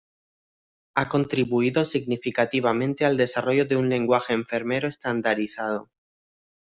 Ha contribuido significativamente al desarrollo de un lenguaje enfermero estandarizado.